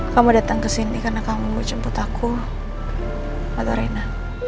kamu datang kesini karena kamu mau jemput aku atau reina